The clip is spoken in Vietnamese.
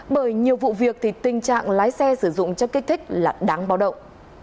bởi nhiều vụ việc thì tình trạng lái xe sử dụng chất kích thích là đáng báo động